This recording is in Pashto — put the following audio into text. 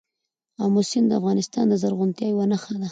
آمو سیند د افغانستان د زرغونتیا یوه نښه ده.